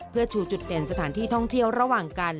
เพื่อชูจุดเด่นสถานที่ท่องเที่ยวระหว่างกัน